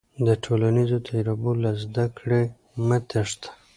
د ټولنیزو تجربو له زده کړې مه تېښته.